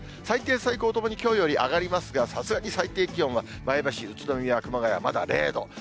最低、最高ともにきょうより上がりますが、さすがに最低気温は前橋、宇都宮、熊谷、まだ０度。